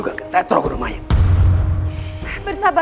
dan kita tidak percaya